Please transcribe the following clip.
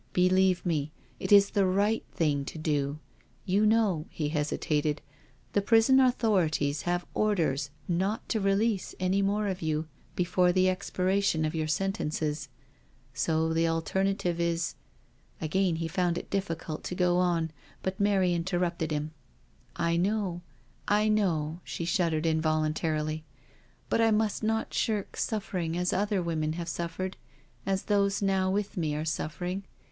Believe me, it is the right thing to do. •«• You know "—he hesitated —" the prison authorities have orders not to release any more of you before the expiration of your sentences — so, the alternative is ••.*' Again he found it di£Scult to go oUj but Mary inter rupted him: " I know— I know," she shuddered involuntarily. '* But J must not shirk suffering as other women have suffered— as those now^with me are suffering.